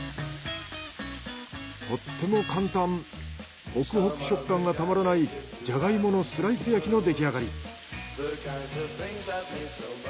とっても簡単ほくほく食感がたまらないジャガイモのスライス焼きの出来上がり。